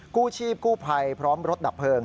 กู้ชีพกู้ภัยพร้อมรถดับเพลิง